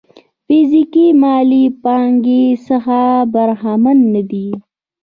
فزيکي مالي پانګې څخه برخمن نه دي.